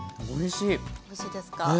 おいしいですか？